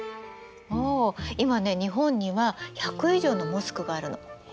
今ね日本には１００以上のモスクがあるの。